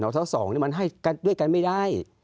หนอท้าสองเนี่ยมันให้ด้วยกันไม่ได้